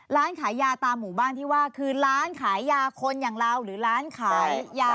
ร้านขายยาตามหมู่บ้านที่ว่าคือร้านขายยาคนอย่างเราหรือร้านขายยา